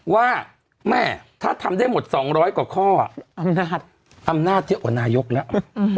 ว่าแม่ถ้าทำได้หมด๒๐๐กว่าข้ออำนาจเยอะกว่านายกแล้ว